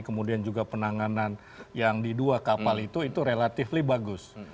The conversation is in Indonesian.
kemudian juga penanganan yang di dua kapal itu itu relatively bagus